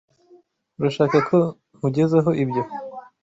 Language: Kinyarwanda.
Urashaka ko nkugezaho ibyo?